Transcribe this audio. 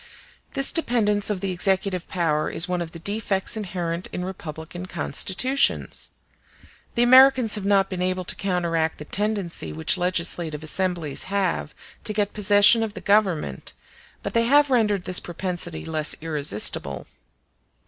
This dependence of the executive power is one of the defects inherent in republican constitutions. The Americans have not been able to counteract the tendency which legislative assemblies have to get possession of the government, but they have rendered this propensity less irresistible.